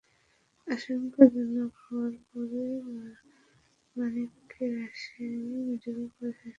আশঙ্কাজনক হওয়ায় পরে মানিককে রাজশাহী মেডিকেল কলেজ হাসপাতালে স্থানান্তর করা হয়।